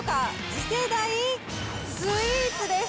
次世代スイーツです。